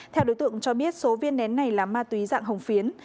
theo đối tượng cho biết số viên nén này là ma túy dạng hồng phiến